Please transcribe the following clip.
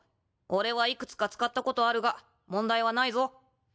俺はいくつか使ったことあるが問題はないぞ。